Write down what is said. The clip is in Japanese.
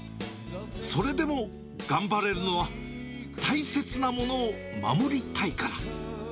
それでも頑張れるのは、大切なものを守りたいから。